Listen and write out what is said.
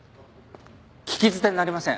聞き捨てなりません。